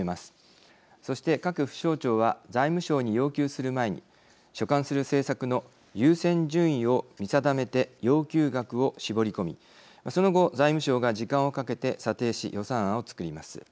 そして各府省庁は財務省に要求する前に所管する政策の優先順位を見定めて要求額を絞り込みその後財務省が時間をかけて査定し予算案を作ります。